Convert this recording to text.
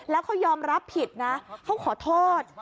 แล้วเขายอมรับผิดนะเขาขอโทษ